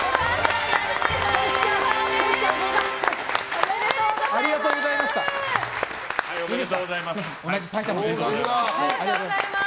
おめでとうございます。